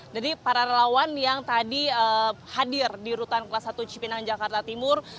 jadi para relawan yang tadi hadir di rutan kelas satu cipinang jakarta timur